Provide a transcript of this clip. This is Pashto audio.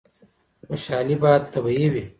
خوشحالي باید طبیعي وي.